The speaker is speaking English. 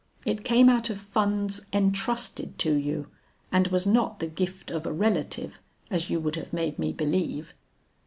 It came out of funds entrusted to you, and was not the gift of a relative as you would have made me believe.'